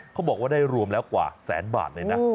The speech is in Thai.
เขาบอกว่าได้รวมแล้วกว่าแสนบาทเลยนะ